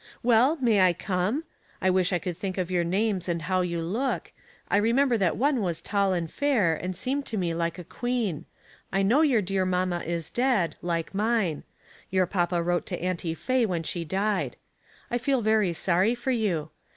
Well, may I come ? I wish I could think of your names and how you look. 1 remember that one was tali and fair, and seemed to me like a queen. I know your dear mamma is dead, like mine. Your papa wrote to Auntie Faye when she died. I feel very sorry for you.